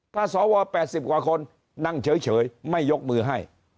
ถ้าสว๘๐กว่าคนนั่งเฉยไม่ยกมือให้